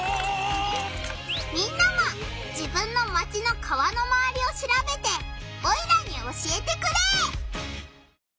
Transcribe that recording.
みんなも自分のマチの川のまわりをしらべてオイラに教えてくれ！